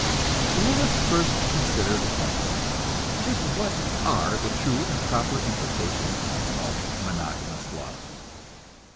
Let us first consider the question, just what are the true and proper implications of monogamous love?